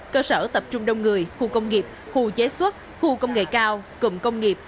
cơ sở tập trung đông người khu công nghiệp khu chế xuất khu công nghệ cao cụm công nghiệp